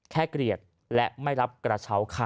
เกลียดและไม่รับกระเช้าค่ะ